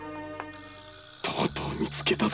とうとう見つけたぞ。